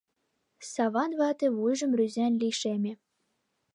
— Саван вате вуйжым рӱзен лишеме.